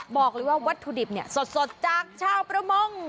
บอกเลยว่าวัตถุดิบเนี่ยสดจากชาวประมง